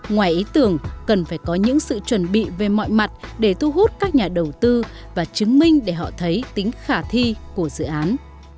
ngoài ý tưởng cần phải có những sự chuẩn bị về mọi mặt để thu hút các nhà đầu tư và chứng minh để họ thấy tính khả thi của dự án